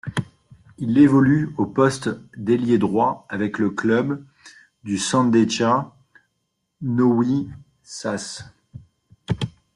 Il évolue au poste d'ailier droit avec le club du Sandecja Nowy Sącz.